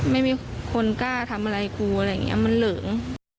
ไม่มีคนกล้าทำอะไรกูอะไรอย่างนี้มันเหลิง